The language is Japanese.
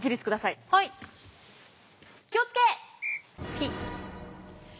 ピッ。